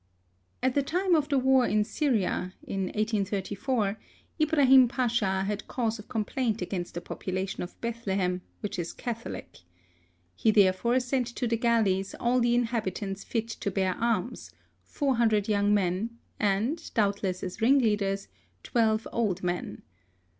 At the time of the war in S3n:ia, in 1834, Ibrahim Pacha had cause of com plaint against the population of Bethlehem, which is Catholic. He therefore sent to the galleys all the inhabitants fit to bear arms — four hundred young men — and, doubtless as ringleaders, twelve old men.